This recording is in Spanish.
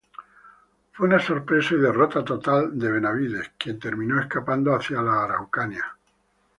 Fue una sorpresa y derrota total de Benavides, quien terminó escapando hacia La Araucanía.